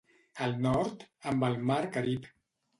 Al nord, amb el Mar Carib.